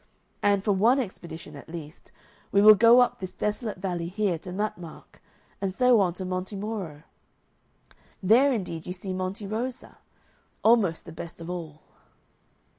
And, for one expedition at least, we will go up this desolate valley here to Mattmark, and so on to Monte Moro. There indeed you see Monte Rosa. Almost the best of all."